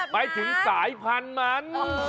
ไม่ถึงสายพันมัน